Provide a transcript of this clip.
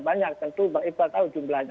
banyak tentu bang iqbal tahu jumlahnya